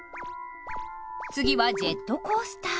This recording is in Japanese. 次はジェットコースター。